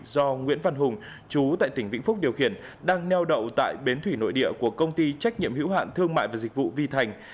do nguyễn văn hùng chú tại tỉnh vĩnh phúc điều khiển đang neo đậu tại bến thủy nội địa của công ty trách nhiệm hữu hạn thương mại và dịch vụ vi thành